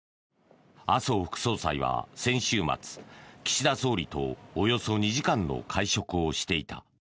麻生副総裁は先週末岸田総理とおよそ２時間の会食をしていた。